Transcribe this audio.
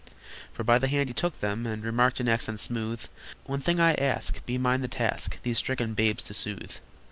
For by the hand he took them, and Remarked in accents smooth: "One thing I ask. Be mine the task These stricken babes to soothe!